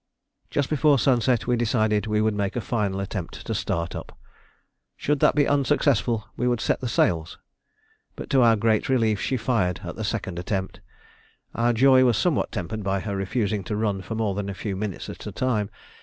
Just before sunset we decided we would make a final attempt to start up. Should that be unsuccessful, we would set the sails; but to our great relief she fired at the second attempt. Our joy was somewhat tempered by her refusing to run for more than a few minutes at a time.